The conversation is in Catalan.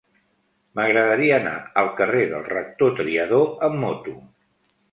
M'agradaria anar al carrer del Rector Triadó amb moto.